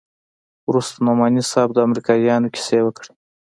وروسته نعماني صاحب د امريکايانو کيسې وکړې.